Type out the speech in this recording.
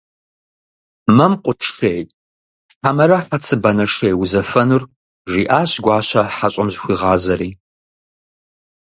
«Мэмкъут шей, хьэмэрэ хьэцыбанэ шей узэфэнур?» - жиӏащ Гуащэ, хьэщӏэм зыхуигъазэри.